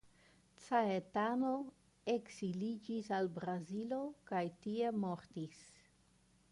Caetano ekziliĝis al Brazilo kaj tie mortis.